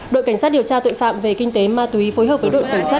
đội cảnh sát điều tra tội phạm về kinh tế ma túy phối hợp với đội cảnh sát